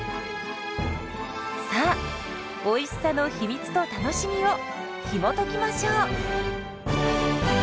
さあおいしさの秘密と楽しみをひもときましょう！